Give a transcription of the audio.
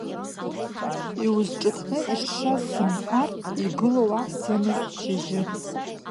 Иузҿыҭны ишшаз сымҳәар, игыло уакәӡамызт шьыжьы…